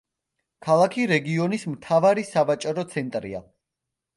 ქალაქი რეგიონის მთავარი სავაჭრო ცენტრია.